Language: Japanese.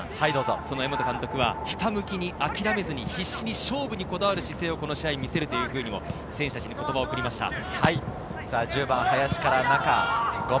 江本監督はひたむきに諦めずに必死に勝負にこだわる姿勢をこの試合、見せるというふうに選手たちに言葉を送りました。